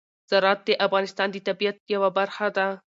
زراعت د افغانستان د طبیعت یوه برخه ده.